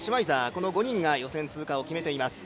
この５人が予選通過を決めています